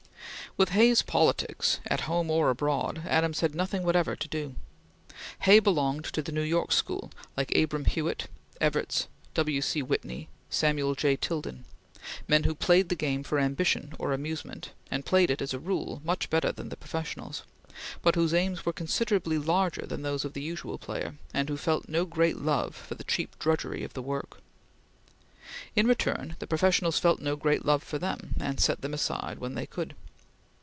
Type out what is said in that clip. With Hay's politics, at home or abroad, Adams had nothing whatever to do. Hay belonged to the New York school, like Abram Hewitt, Evarts, W. C. Whitney, Samuel J. Tilden men who played the game for ambition or amusement, and played it, as a rule, much better than the professionals, but whose aims were considerably larger than those of the usual player, and who felt no great love for the cheap drudgery of the work. In return, the professionals felt no great love for them, and set them aside when they could.